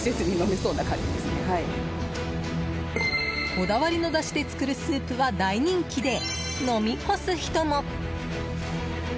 こだわりのだしで作るスープは大人気で、飲み干す人も。